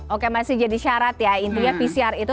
oke masih jadi syarat ya intinya pcr itu